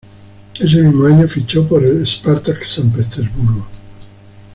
Ese mismo año fichó por el Spartak San Petersburgo.